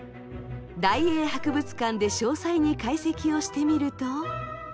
大英博物館で詳細に解析をしてみると。